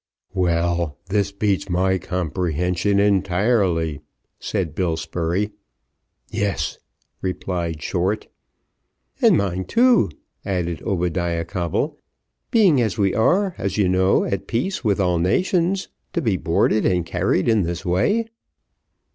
"Well, this beats my comprehension entirely," said Bill Spurey. "Yes," replied Short. "And mine too," added Obadiah Coble, "being as we are, as you know, at peace with all nations, to be boarded and carried in this way."